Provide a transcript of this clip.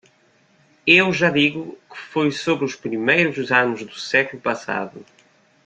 Eu já digo que foi sobre os primeiros anos do século passado.